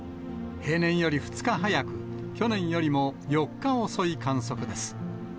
平年より２日早く、去年よりも４日遅い観測です。